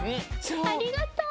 ありがとう。